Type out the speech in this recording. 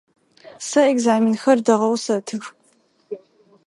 Сэ экзаменхэр дэгъоу сэтых.